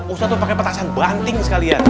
ustad tuh pake petasan banting sekalian